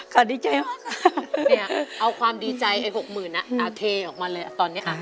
ค่ะดีใจมากค่ะเอาความดีใจไอ้๖๐๐๐๐บาทอ่ะเทออกมาเลยอ่ะตอนนี้ค่ะ